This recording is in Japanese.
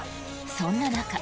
そんな中。